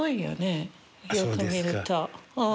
よく見ると。